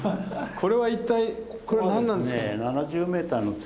これは一体これは何なんですか。